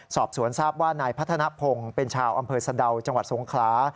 สอบสวนทราบว่านายพัฒนภงเป็นชาวอำเภอสะดาวจังหวัดสงขลา